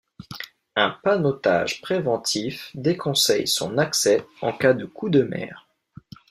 Un panneautage préventif déconseille son accès en cas de coup de mer.